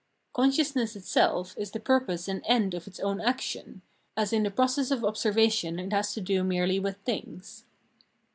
Consciousness itself is the purpose and end of its own action, as in the process of observation it has to do merely with things.